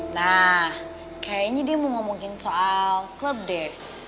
nah kayaknya dia mau ngomongin soal klub deh